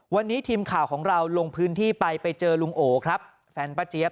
วันนี้ทีมข่าวของเราลงพื้นที่ไปไปเจอลุงโอครับแฟนป้าเจี๊ย